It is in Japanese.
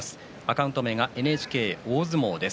アカウント名はＮＨＫ大相撲です。